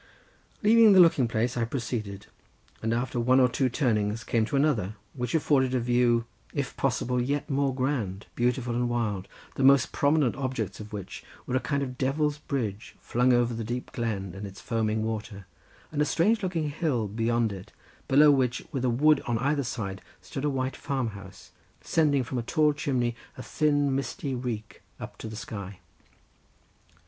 Leaving the looking place I proceeded, and after one or two turnings, came to another, which afforded a view if possible yet more grand, beautiful and wild, the most prominent objects of which were a kind of devil's bridge flung over the deep glen and its foaming water, and a strange looking hill beyond it, below which, with a wood on either side, stood a white farmhouse—sending from a tall chimney a thin misty reek up to the sky.